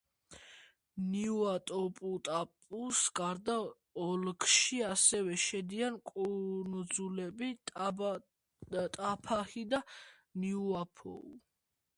ნიუატოპუტაპუს გარდა ოლქში ასევე შედიან კუნძულები ტაფაჰი და ნიუაფოოუ.